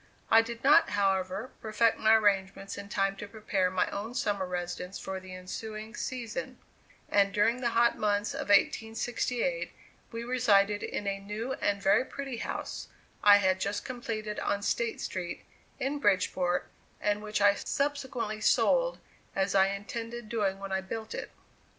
I did not, however, perfect my arrangements in time to prepare my own summer residence for the ensuing season; and during the hot months of 1868 we resided in a new and very pretty house I had just completed on State Street, in Bridgeport, and which I subsequently sold, as I intended doing when I built it.